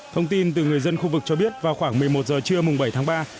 thông tin từ người dân khu vực cho biết vào khoảng một mươi một giờ trưa bảy tháng ba